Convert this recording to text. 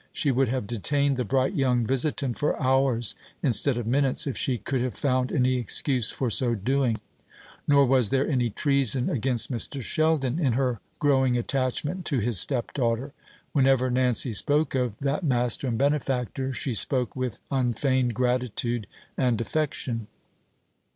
She would have detained the bright young visitant for hours instead of minutes, if she could have found any excuse for so doing. Nor was there any treason against Mr. Sheldon in her growing attachment to his stepdaughter. Whenever Nancy spoke of that master and benefactor, she spoke with unfeigned gratitude and affection.